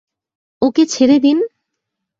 ওকে ছেড়ে দিন!